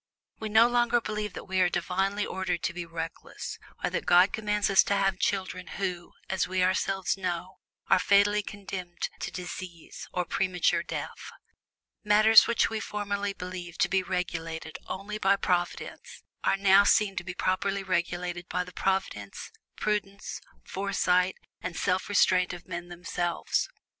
We no longer believe that we are divinely ordered to be reckless, or that God commands us to have children who, as we ourselves know, are fatally condemned to disease or premature death. Matters which we formerly believed to be regulated only by Providence, are now seen to be properly regulated by the providence, prudence, foresight, and self restraint of men themselves.